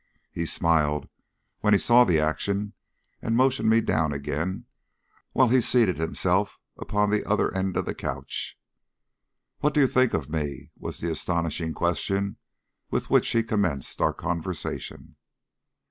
He smiled when he saw the action, and motioned me down again while he seated himself upon the other end of the couch. "What do you think of me?" was the astonishing question with which he commenced our conversation.